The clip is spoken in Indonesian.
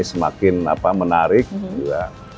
semakin menarik juga